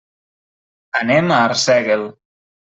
Anem a Arsèguel.